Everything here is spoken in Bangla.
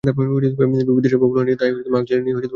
বিবিদিষা প্রবল হয়নি, তাই মাগ-ছেলে নিয়ে সংসার করছিস।